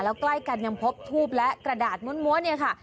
แล้วใกล้กันยังพบทูบและกระดาษม้วนเนี่ยค่ะ